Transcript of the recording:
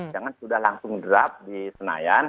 jangan sudah langsung draft di senayan